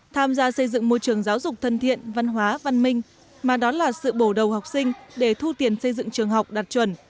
tham gia xây dựng môi trường giáo dục thân thiện văn hóa văn minh mà đó là sự bổ đầu học sinh để thu tiền xây dựng trường học đạt chuẩn